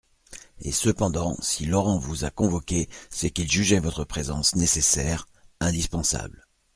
Et cependant si Laurent vous a convoqué, c'est qu'il jugeait votre présence nécessaire, indispensable.